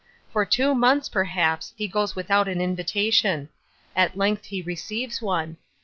For two months, perhaps, he goes without an invitation; at length he receives one.